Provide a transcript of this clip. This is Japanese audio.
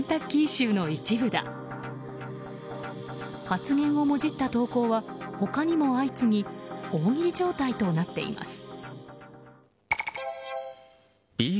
発言をもじった投稿は他にも相次ぎ大喜利状態となっています。